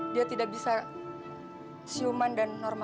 biar ibu aja yang begini lia